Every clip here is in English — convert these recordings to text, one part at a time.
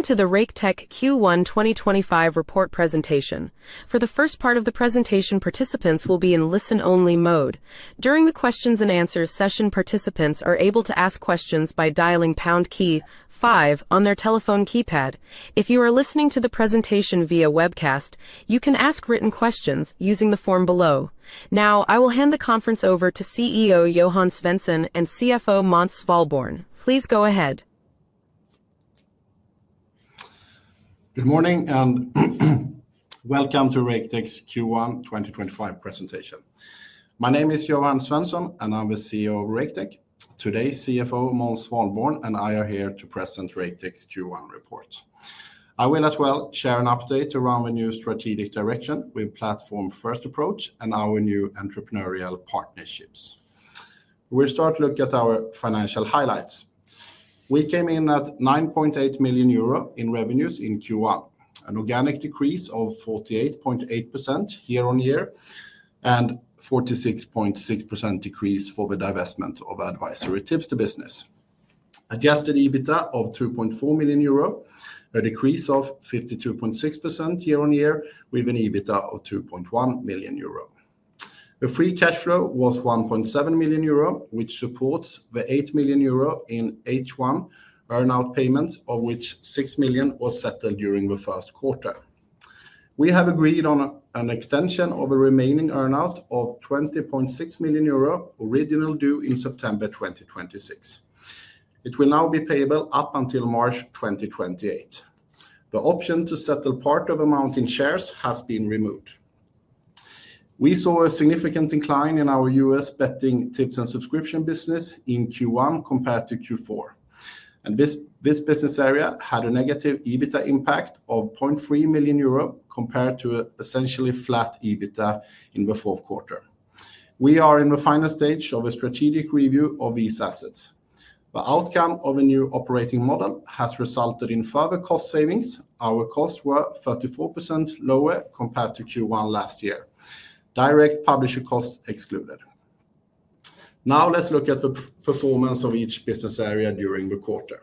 Welcome to the Raketech Q1 2025 report presentation. For the first part of the presentation, participants will be in listen-only mode. During the Q&A session, participants are able to ask questions by dialing pound key five on their telephone keypad. If you are listening to the presentation via webcast, you can ask written questions using the form below. Now, I will hand the conference over to CEO Johan Svensson and CFO Måns Svalborn. Please go ahead. Good morning and welcome to Raketech's Q1 2025 presentation. My name is Johan Svensson, and I am the CEO of Raketech. Today, CFO Måns Svalborn and I are here to present Raketech's Q1 report. I will as well share an update around the new strategic direction, with platform-first approach and our new entrepreneurial partnerships. We'll start looking at our financial highlights. We came in at 9.8 million euro in revenues in Q1, an organic decrease of 48.8% year-on-year, and a 46.6% decrease for the divestment of advisory tips to business. Adjusted EBITDA of 2.4 million euro, a decrease of 52.6% year-on-year, with an EBITDA of 2.1 million euro. The free cash flow was 1.7 million euro, which supports the 8 million euro in H1 earn-out payments, of which 6 million was settled during the first quarter. We have agreed on an extension of the remaining earn-out of 20.6 million euro original due in September 2026. It will now be payable up until March 2028. The option to settle part of the amount in shares has been removed. We saw a significant decline in our U.S. betting tips and subscription business in Q1 compared to Q4, and this business area had a negative EBITDA impact of 0.3 million euro compared to an essentially flat EBITDA in the fourth quarter. We are in the final stage of a strategic review of these assets. The outcome of a new operating model has resulted in further cost savings. Our costs were 34% lower compared to Q1 last year, direct publisher costs excluded. Now, let's look at the performance of each business area during the quarter,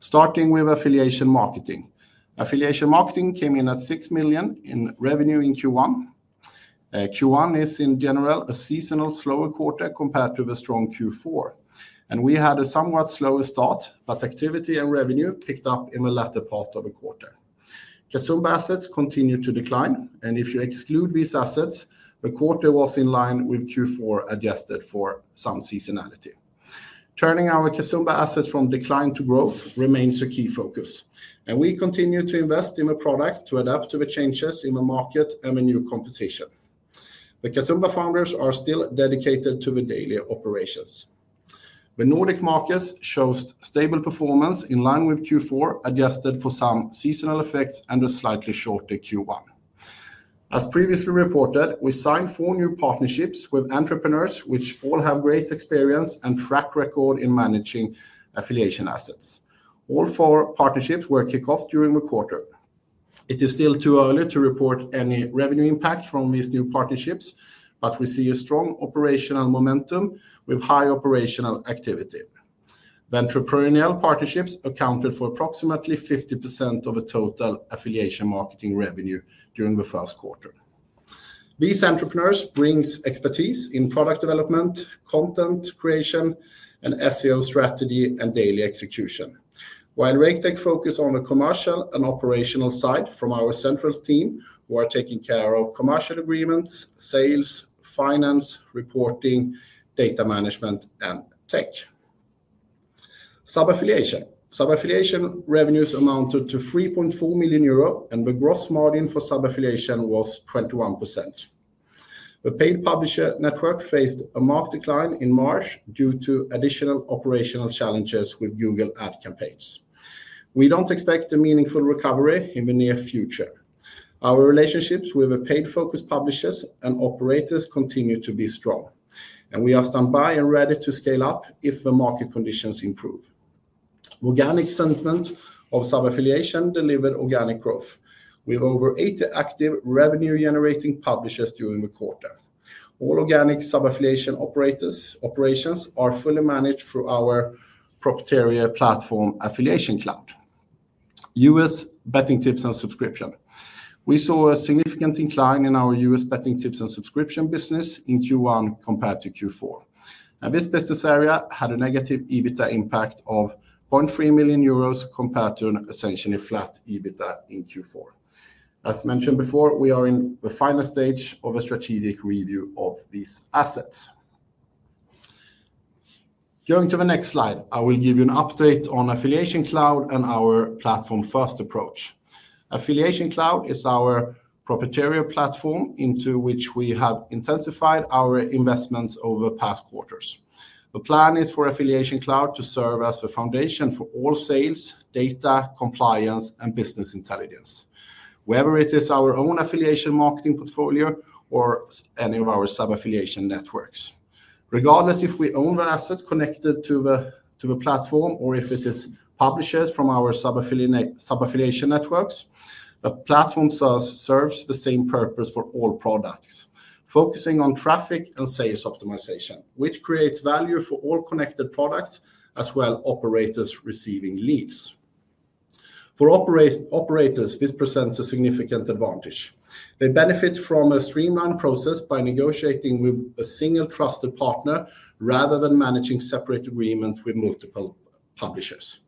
starting with affiliation marketing. Affiliation marketing came in at 6 million in revenue in Q1. Q1 is, in general, a seasonal slower quarter compared to the strong Q4, and we had a somewhat slower start, but activity and revenue picked up in the latter part of the quarter. Kassumba assets continued to decline, and if you exclude these assets, the quarter was in line with Q4 adjusted for some seasonality. Turning our Kassumba assets from decline to growth remains a key focus, and we continue to invest in the product to adapt to the changes in the market and the new competition. The Kassumba founders are still dedicated to the daily operations. The Nordic markets showed stable performance in line with Q4, adjusted for some seasonal effects and a slightly shorter Q1. As previously reported, we signed four new partnerships with entrepreneurs, which all have great experience and track record in managing affiliation assets. All four partnerships were kicked off during the quarter. It is still too early to report any revenue impact from these new partnerships, but we see a strong operational momentum with high operational activity. The entrepreneurial partnerships accounted for approximately 50% of the total affiliation marketing revenue during the first quarter. These entrepreneurs bring expertise in product development, content creation, and SEO strategy and daily execution, while Raketech focuses on the commercial and operational side from our central team, who are taking care of commercial agreements, sales, finance, reporting, data management, and tech. Sub-affiliation revenues amounted to 3.4 million euro, and the gross margin for sub-affiliation was 21%. The paid publisher network faced a marked decline in March due to additional operational challenges with Google Ads campaigns. We do not expect a meaningful recovery in the near future. Our relationships with the paid-focused publishers and operators continue to be strong, and we are on standby and ready to scale up if the market conditions improve. Organic sentiment of sub-affiliation delivered organic growth, with over 80 active revenue-generating publishers during the quarter. All organic sub-affiliation operations are fully managed through our proprietary platform, Affiliation Cloud. U.S. betting tips and subscription: We saw a significant decline in our U.S. betting tips and subscription business in Q1 compared to Q4. This business area had a negative EBITDA impact of 0.3 million euros compared to an essentially flat EBITDA in Q4. As mentioned before, we are in the final stage of a strategic review of these assets. Going to the next slide, I will give you an update on Affiliation Cloud and our platform-first approach. Affiliation Cloud is our proprietary platform into which we have intensified our investments over the past quarters. The plan is for Affiliation Cloud to serve as the foundation for all sales, data, compliance, and business intelligence, whether it is our own affiliation marketing portfolio or any of our sub-affiliation networks. Regardless if we own the asset connected to the platform or if it is publishers from our sub-affiliation networks, the platform serves the same purpose for all products, focusing on traffic and sales optimization, which creates value for all connected products as well as operators receiving leads. For operators, this presents a significant advantage. They benefit from a streamlined process by negotiating with a single trusted partner rather than managing separate agreements with multiple publishers.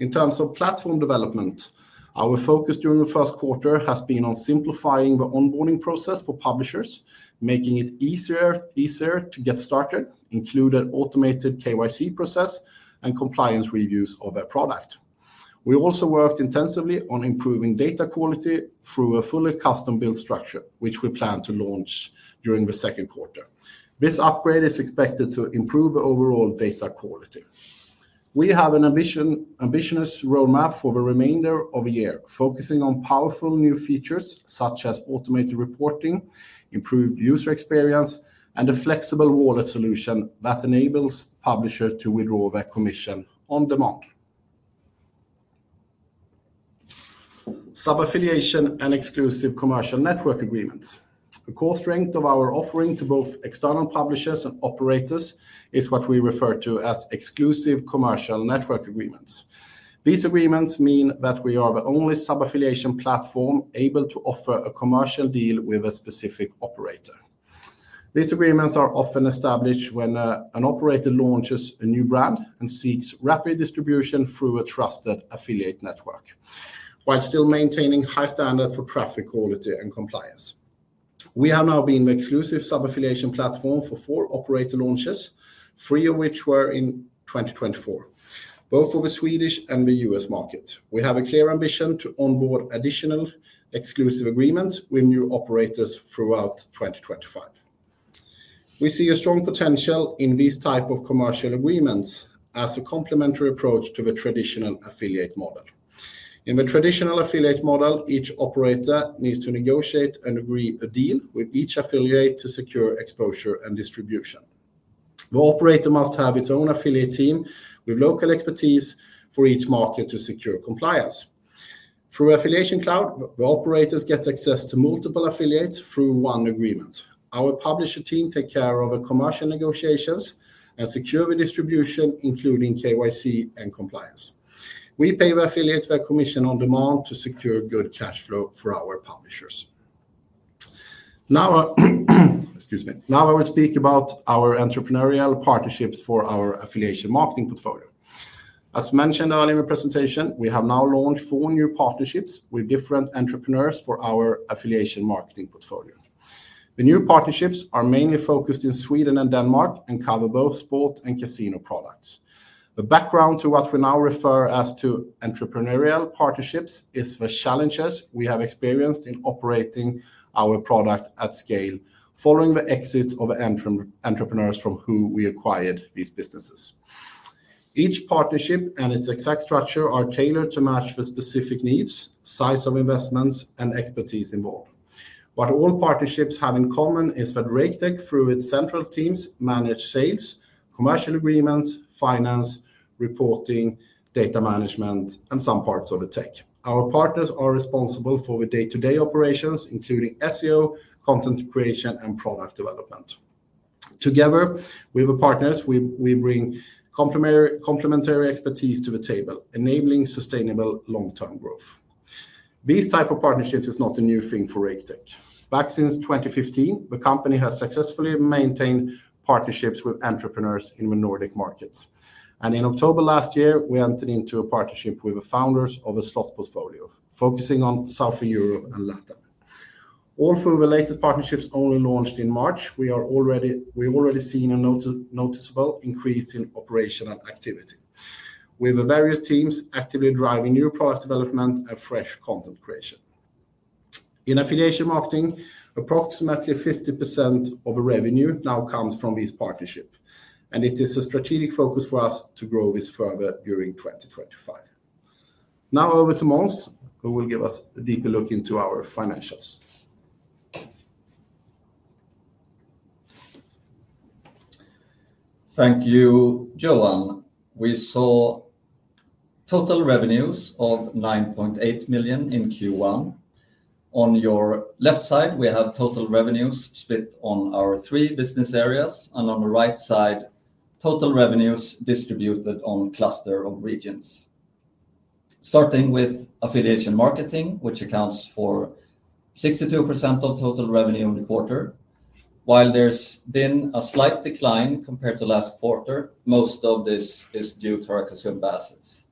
In terms of platform development, our focus during the first quarter has been on simplifying the onboarding process for publishers, making it easier to get started, including automated KYC processes and compliance reviews of their product. We also worked intensively on improving data quality through a fully custom-built structure, which we plan to launch during the second quarter. This upgrade is expected to improve the overall data quality. We have an ambitious roadmap for the remainder of the year, focusing on powerful new features such as automated reporting, improved user experience, and a flexible wallet solution that enables publishers to withdraw their commission on demand. Sub-affiliation and exclusive commercial network agreements: The core strength of our offering to both external publishers and operators is what we refer to as exclusive commercial network agreements. These agreements mean that we are the only sub-affiliation platform able to offer a commercial deal with a specific operator. These agreements are often established when an operator launches a new brand and seeks rapid distribution through a trusted affiliate network, while still maintaining high standards for traffic quality and compliance. We have now been the exclusive sub-affiliation platform for four operator launches, three of which were in 2024, both for the Swedish and the U.S. market. We have a clear ambition to onboard additional exclusive agreements with new operators throughout 2025. We see a strong potential in these types of commercial agreements as a complementary approach to the traditional affiliate model. In the traditional affiliate model, each operator needs to negotiate and agree to a deal with each affiliate to secure exposure and distribution. The operator must have its own affiliate team with local expertise for each market to secure compliance. Through Affiliation Cloud, the operators get access to multiple affiliates through one agreement. Our publisher team takes care of the commercial negotiations and secures the distribution, including KYC and compliance. We pay the affiliates their commission on demand to secure good cash flow for our publishers. Now I will speak about our entrepreneurial partnerships for our affiliation marketing portfolio. As mentioned earlier in the presentation, we have now launched four new partnerships with different entrepreneurs for our affiliation marketing portfolio. The new partnerships are mainly focused on Sweden and Denmark and cover both sport and casino products. The background to what we now refer to as entrepreneurial partnerships is the challenges we have experienced in operating our product at scale following the exit of entrepreneurs from whom we acquired these businesses. Each partnership and its exact structure are tailored to match the specific needs, size of investments, and expertise involved. What all partnerships have in common is that Raketech, through its central teams, manages sales, commercial agreements, finance, reporting, data management, and some parts of the tech. Our partners are responsible for the day to day operations, including SEO, content creation, and product development. Together with the partners, we bring complementary expertise to the table, enabling sustainable long-term growth. This type of partnership is not a new thing for Raketech. Back since 2015, the company has successfully maintained partnerships with entrepreneurs in the Nordic markets, and in October last year, we entered into a partnership with the founders of a slot portfolio focusing on Southern Europe and Latin. All through the latest partnerships only launched in March, we have already seen a noticeable increase in operational activity, with various teams actively driving new product development and fresh content creation. In affiliation marketing, approximately 50% of the revenue now comes from this partnership, and it is a strategic focus for us to grow this further during 2025. Now over to Måns, who will give us a deeper look into our financials. Thank you, Johan. We saw total revenues of 9.8 million in Q1. On your left side, we have total revenues split on our three business areas, and on the right side, total revenues distributed on clusters of regions. Starting with affiliation marketing, which accounts for 62% of total revenue in the quarter, while there has been a slight decline compared to last quarter, most of this is due to our Kassumba assets.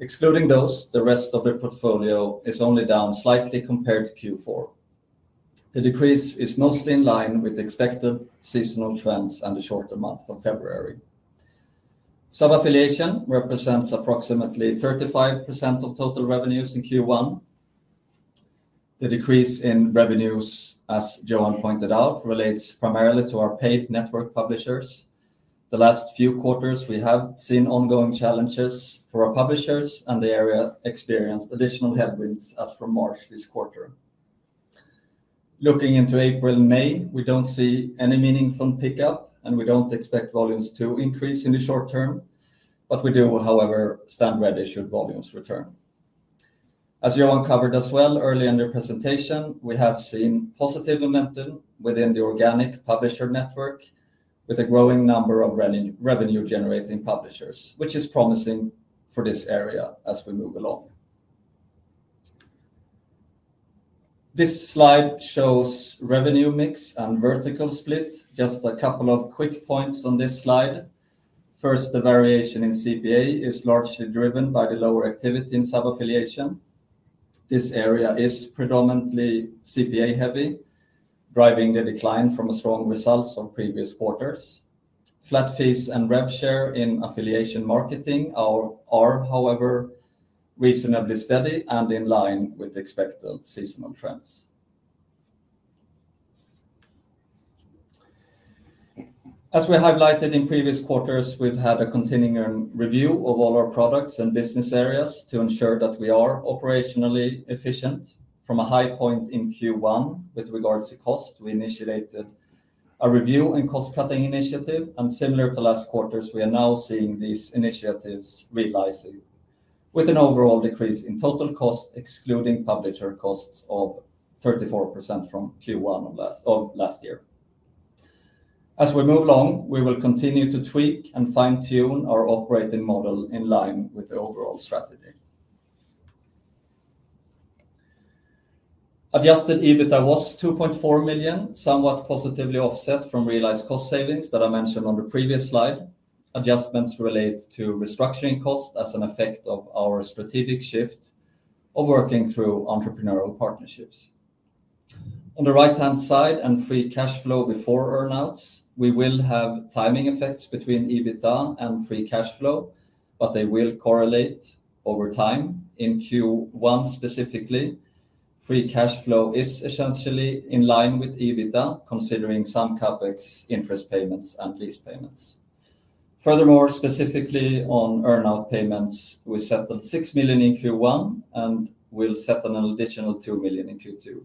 Excluding those, the rest of the portfolio is only down slightly compared to Q4. The decrease is mostly in line with expected seasonal trends and the shorter month of February. Sub-affiliation represents approximately 35% of total revenues in Q1. The decrease in revenues, as Johan pointed out, relates primarily to our paid network publishers. The last few quarters, we have seen ongoing challenges for our publishers, and the area experienced additional headwinds as of March this quarter. Looking into April and May, we do not see any meaningful pickup, and we do not expect volumes to increase in the short term, but we do, however, stand ready should volumes return. As Johan covered as well earlier in the presentation, we have seen positive momentum within the organic publisher network with a growing number of revenue-generating publishers, which is promising for this area as we move along. This slide shows revenue mix and vertical split. Just a couple of quick points on this slide. First, the variation in Cost Per Acquisition (CPA) is largely driven by the lower activity in sub-affiliation. This area is predominantly CPA-heavy, driving the decline from strong results of previous quarters. Flat fees and Revenue Share in affiliation marketing are, however, reasonably steady and in line with expected seasonal trends. As we highlighted in previous quarters, we have had a continuing review of all our products and business areas to ensure that we are operationally efficient. From a high point in Q1 with regards to cost, we initiated a review and cost-cutting initiative, and similar to last quarters, we are now seeing these initiatives realized, with an overall decrease in total cost, excluding publisher costs, of 34% from Q1 of last year. As we move along, we will continue to tweak and fine-tune our operating model in line with the overall strategy. Adjusted EBITDA was 2.4 million, somewhat positively offset from realized cost savings that I mentioned on the previous slide. Adjustments relate to restructuring costs as an effect of our strategic shift of working through entrepreneurial partnerships. On the right hand side and free cash flow before earnouts, we will have timing effects between EBITDA and free cash flow, but they will correlate over time. In Q1 specifically, free cash flow is essentially in line with EBITDA, considering some CapEx interest payments and lease payments. Furthermore, specifically on earnout payments, we settled 6 million in Q1 and will settle an additional 2 million in Q2.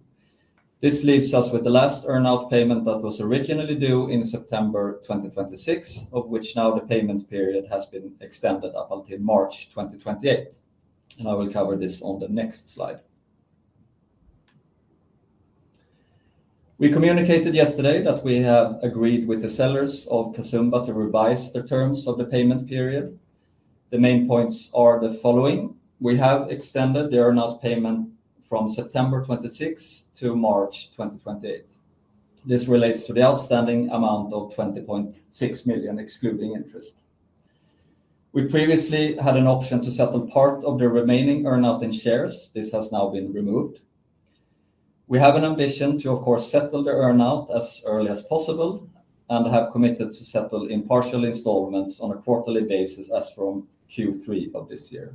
This leaves us with the last earnout payment that was originally due in September 2026, of which now the payment period has been extended up until March 2028, and I will cover this on the next slide. We communicated yesterday that we have agreed with the sellers of Kassumba to revise the terms of the payment period. The main points are the following: We have extended the earnout payment from September 2026 to March 2028. This relates to the outstanding amount of 20.6 million excluding interest. We previously had an option to settle part of the remaining earnout in shares. This has now been removed. We have an ambition to, of course, settle the earnout as early as possible and have committed to settle in partial installments on a quarterly basis as from Q3 of this year.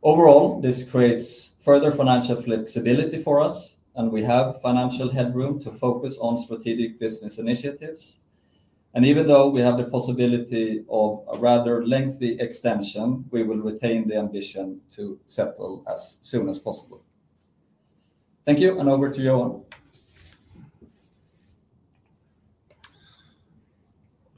Overall, this creates further financial flexibility for us, and we have financial headroom to focus on strategic business initiatives. Even though we have the possibility of a rather lengthy extension, we will retain the ambition to settle as soon as possible. Thank you, and over to Johan.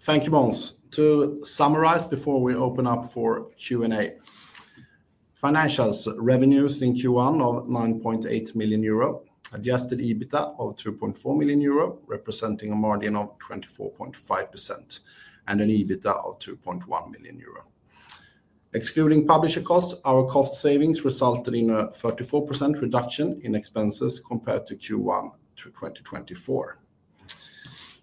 Thank you, Måns. To summarize before we open up for Question and Answer (Q&A): Financials, revenues in Q1 of 9.8 million euro, adjusted EBITDA of 2.4 million euro, representing a margin of 24.5%, and an EBITDA of 2.1 million euro. Excluding publisher costs, our cost savings resulted in a 34% reduction in expenses compared to Q1 2024.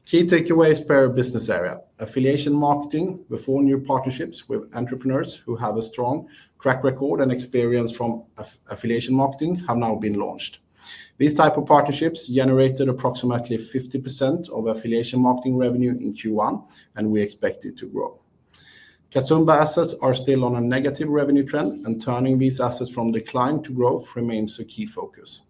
Key takeaways per business area: Affiliation marketing, the four new partnerships with entrepreneurs who have a strong track record and experience from affiliation marketing have now been launched. These types of partnerships generated approximately 50% of affiliation marketing revenue in Q1, and we expect it to grow. Kassumba assets are still on a negative revenue trend, and turning these assets from decline to growth remains a key focus.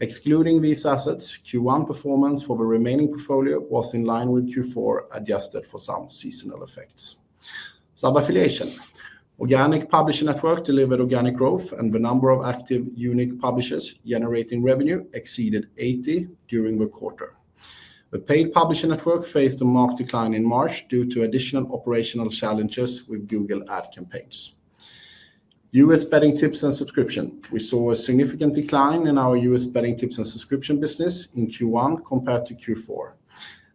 Excluding these assets, Q1 performance for the remaining portfolio was in line with Q4, adjusted for some seasonal effects. Sub affiliation: Organic publisher network delivered organic growth, and the number of active unique publishers generating revenue exceeded 80 during the quarter. The paid publisher network faced a marked decline in March due to additional operational challenges with Google Ads campaigns. U.S. Betting tips and subscription: We saw a significant decline in our U.S. betting tips and subscription business in Q1 compared to Q4,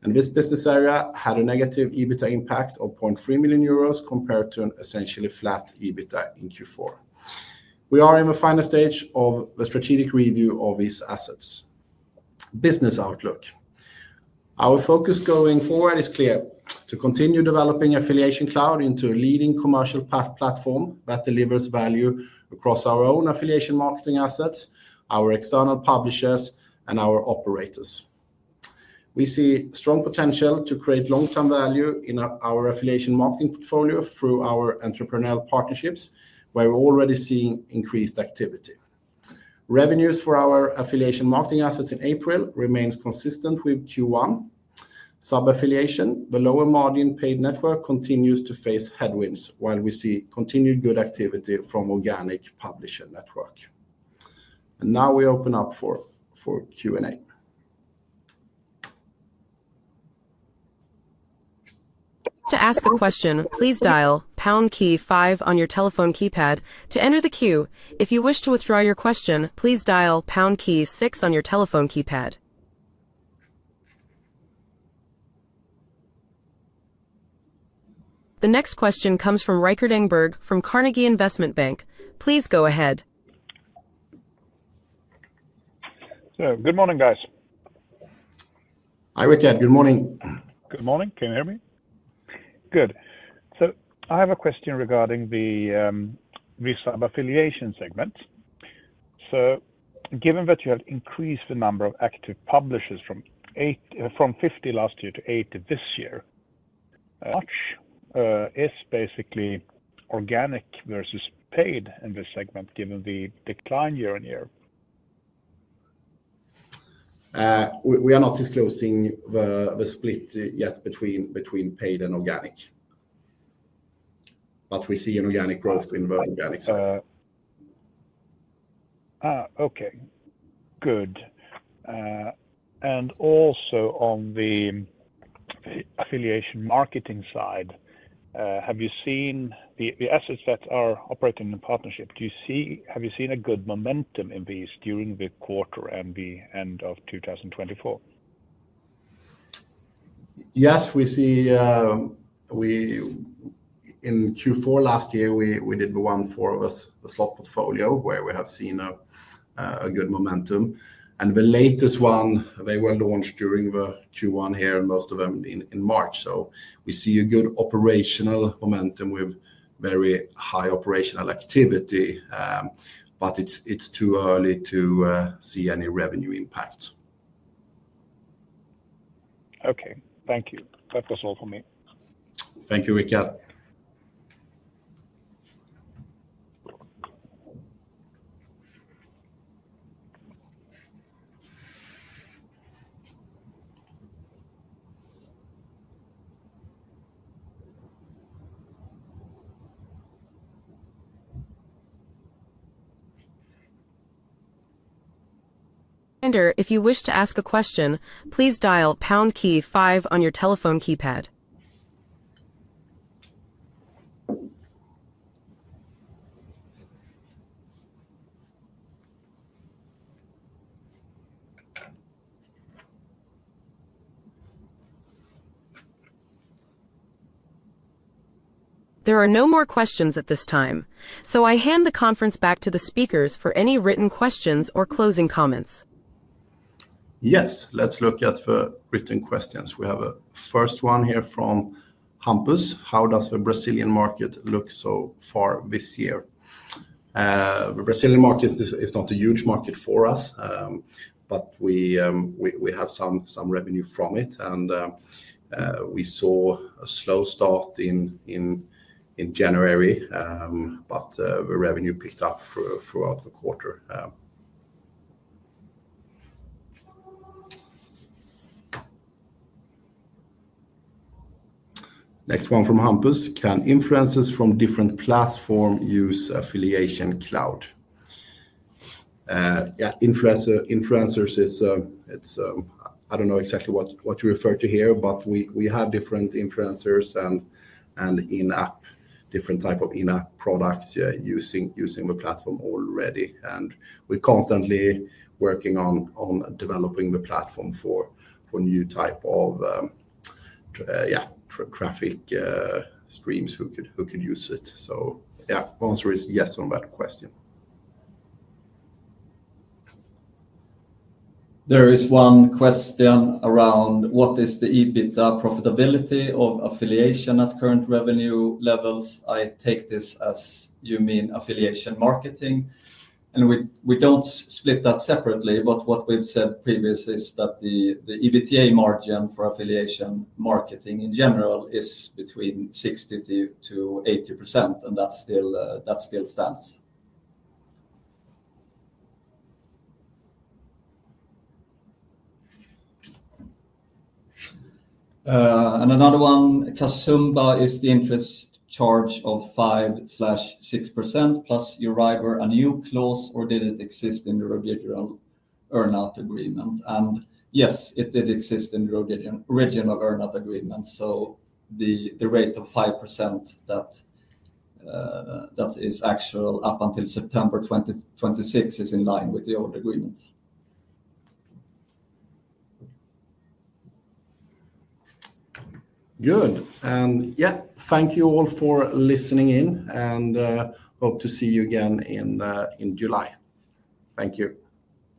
and this business area had a negative EBITDA impact of 0.3 million euros compared to an essentially flat EBITDA in Q4. We are in the final stage of the strategic review of these assets. Business outlook: Our focus going forward is clear: to continue developing Affiliation Cloud into a leading commercial platform that delivers value across our own affiliation marketing assets, our external publishers, and our operators. We see strong potential to create long-term value in our affiliation marketing portfolio through our entrepreneurial partnerships, where we are already seeing increased activity. Revenues for our affiliation marketing assets in April remain consistent with Q1. Sub-affiliation, the lower-margin paid network, continues to face headwinds while we see continued good activity from the organic publisher network. We now open up for Q&A. To ask a question, please dial #five on your telephone keypad to enter the queue. If you wish to withdraw your question, please dial #six on your telephone keypad. The next question comes from Rykert Engberg from Carnegie Investment Bank. Please go ahead. Good morning, guys. Hi, Rykert. Good morning. Good morning. Can you hear me? I have a question regarding the sub affiliation segment. Given that you have increased the number of active publishers from 50 last year to Eight this year, how much is basically organic versus paid in this segment given the decline year on year? We are not disclosing the split yet between paid and organic, but we see an organic growth in the organic segment. Good. Also, on the affiliation marketing side, have you seen the assets that are operating in partnership? Have you seen a good momentum in these during the quarter and the end of 2024? Good. Also, on the affiliation marketing side, have you seen the assets that are operating in partnership? Have you seen a good momentum in these during the quarter and the end of 2024? We see in Q4 last year, we did the one for the slot portfolio where we have seen a good momentum. The latest one, they were launched during Q1 here, and most of them in March. We see a good operational momentum with very high operational activity, but it is too early to see any revenue impact. Okay. Thank you. That was all for me. Thank you, Rykert. If you wish to ask a question, please dial #five on your telephone keypad. There are no more questions at this time, so I hand the conference back to the speakers for any written questions or closing comments. Yes, let's look at the written questions. We have a first one here from Hampus. How does the Brazilian market look so far this year? The Brazilian market is not a huge market for us, but we have some revenue from it, and we saw a slow start in January, but the revenue picked up throughout the quarter. Next one from Hampus. Can influencers from different platforms use Affiliation Cloud? Influencers is, I do not know exactly what you refer to here, but we have different influencers and in-app, different types of in-app products using the platform already. We're constantly working on developing the platform for a new type of, yeah, traffic streams who could use it. The answer is yes on that question. There is one question around what is the EBITDA profitability of affiliation at current revenue levels. I take this as you mean affiliation marketing. We do not split that separately, but what we have said previously is that the EBITDA margin for affiliation marketing in general is between 60%-80%, and that still stands. Another one, Kassumba, is the interest charge of 5%-6% plus a new clause, or did it exist in the original earnout agreement? Yes, it did exist in the original earnout agreement. The rate of 5% that is actual up until September 2026 is in line with the old agreement. Good. Thank you all for listening in, and hope to see you again in July. Thank you.